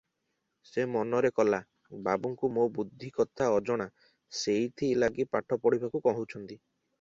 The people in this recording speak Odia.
ସେ ମନରେ କଲା, ବାବୁଙ୍କୁ ମୋ ବୁଦ୍ଧି କଥା ଅଜଣା, ସେଇଥି ଲାଗି ପାଠ ପଢ଼ିବାକୁ କହୁଛନ୍ତି ।